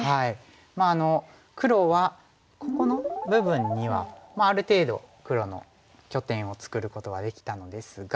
まあ黒はここの部分にはある程度黒の拠点を作ることができたのですが。